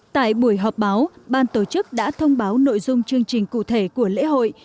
tại buổi họp báo ban tổ chức đã thông báo nội dung chương trình cụ thể của lễ hội